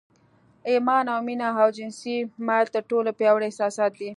ایمان او مینه او جنسي میل تر ټولو پیاوړي احساسات دي